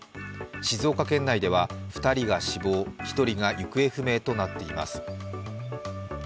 静岡県内では２人が死亡、１人が行方不明となっています。